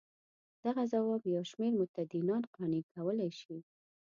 دغه ځواب یو شمېر متدینان قانع کولای شي.